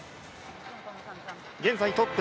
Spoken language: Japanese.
現在トップ